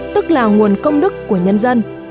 tức là nguồn công đức của nhân dân